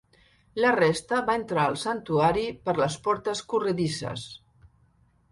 La resta va entrar el santuari per les portes corredisses.